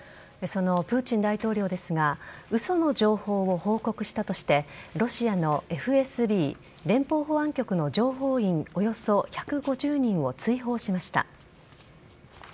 そのプーチン大統領ですが嘘の情報を報告したとしてロシアのＦＳＢ＝情報保安局の情報員およそ１５０人を追放しました。